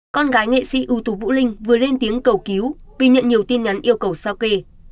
con gái nghệ sĩ ưu tú vũ linh vừa lên tiếng cầu cứu vì nhận nhiều tin nhắn yêu cầu sao kê